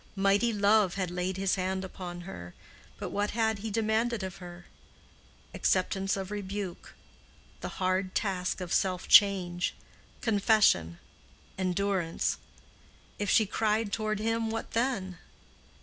Mighty Love had laid his hand upon her; but what had he demanded of her? Acceptance of rebuke—the hard task of self change—confession—endurance. If she cried toward him, what then?